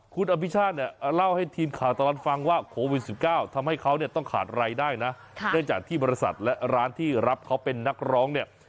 คุณอภิชาติเนี่ยเล่าให้ทีมข่าวตลอดฟังว่าโควิด๑๙ทำให้เขาเนี่ยต้องขาดรายได้นะเนื่องจากที่บริษัทและร้านที่รับเขาเป็นนักร้องเนี่ย